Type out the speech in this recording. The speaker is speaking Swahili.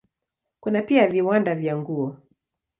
Kuna pia viwanda vya nguo.